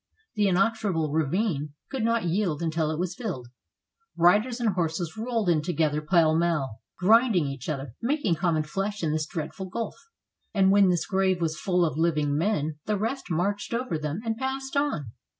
The inexorable ravine could not yield until it was filled; riders and horses rolled in together pell mell, grinding each other, making common flesh in this dreadful gulf, and when this grave was full of living men the rest marched over them and passed on.